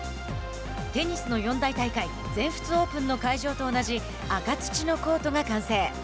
テニスの四大大会全仏オープンの会場と同じ赤土のコートが完成。